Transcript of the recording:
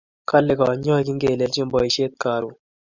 Kale kanyaik ingelelechin poishet karun .